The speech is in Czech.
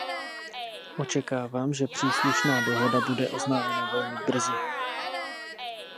Očekávám, že příslušná dohoda bude oznámena velmi brzy.